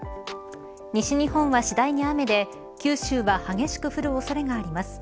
西日本は次第に雨で、九州は激しく降る恐れがあります。